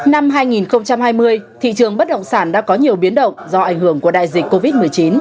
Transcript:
năm hai nghìn hai mươi thị trường bất động sản đã có nhiều biến động do ảnh hưởng của đại dịch covid một mươi chín